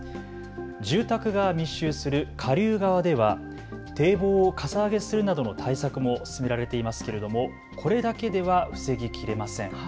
住宅が密集する下流側では堤防をかさ上げするなどの対策も進められていますけれどもこれだけでは防ぎきれません。